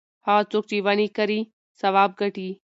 هغه څوک چې ونې کري ثواب ګټي.